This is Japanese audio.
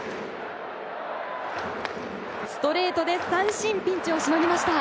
ストレートで三振ピンチをしのぎました。